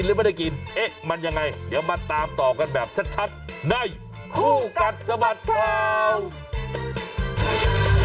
เรื่องนี้มันอะไรอย่างไงมาแอบกินอะไรตรงนี้เหรอเนี่ย